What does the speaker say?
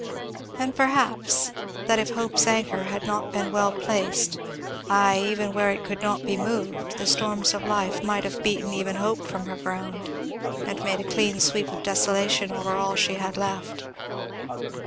And perhaps, that if hope's anchor had not been well placed, ay, even where it could not be moved, the storms of life might have beaten even hope from her ground and made a clean sweep of desolation over all she had left.